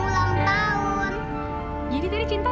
dan sekarang mama cinta lagi nyariin cinta